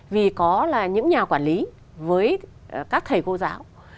vì có là những nhà quản lý với các thầy cô giáo